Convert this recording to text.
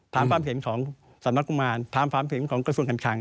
ถามความเห็นของสถานกงานถามความเห็นของกระทรวงกันขัง